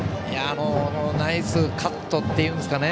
ナイスカットっていうんですかね。